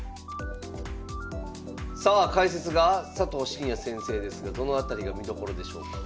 さあ解説が佐藤紳哉先生ですがどの辺りが見どころでしょうか？